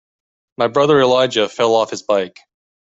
My brother Elijah fell off his bike.